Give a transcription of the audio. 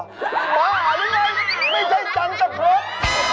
หม่าเรื่องไม่ใช่จังกับพรุษ